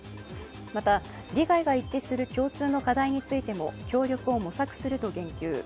また利害が一致する共通の課題についても、協力を模索すると言及。